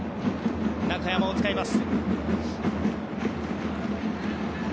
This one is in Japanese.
中山を使います。